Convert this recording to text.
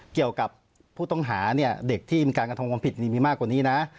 เกี่ยวกับผู้ต้องหาเนี่ยเด็กที่มีการกระทำความผิดนี่มีมากกว่านี้นะ